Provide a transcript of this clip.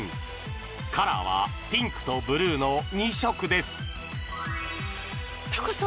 カラーはピンクとブルーの２色ですタカさん